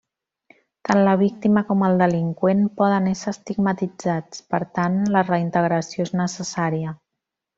Tant la víctima com el delinqüent poden ésser estigmatitzats, per tant, la reintegració és necessària.